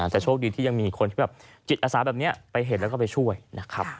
แต่โชคดีที่ยังมีคนที่แบบจิตอาสาแบบนี้ไปเห็นแล้วก็ไปช่วยนะครับ